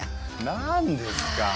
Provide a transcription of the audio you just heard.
何ですか？